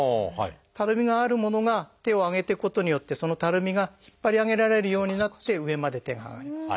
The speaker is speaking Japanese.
たるみがあるものが手を上げていくことによってそのたるみが引っ張り上げられるようになって上まで手が上がります。